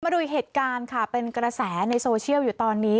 ดูอีกเหตุการณ์ค่ะเป็นกระแสในโซเชียลอยู่ตอนนี้